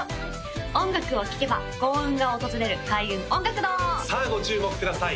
音楽を聴けば幸運が訪れる開運音楽堂さあご注目ください